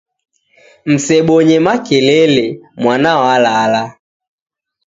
Msebonye makelele, mwana walala.